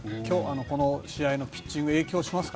この試合のピッチングは影響しますか？